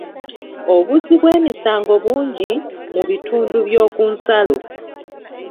Obuzzi bw'emisango bungi mu bitundu by'oku nsalo.